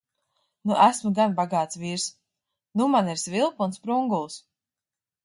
Nu esmu gan bagāts vīrs. Nu man ir svilpe un sprungulis!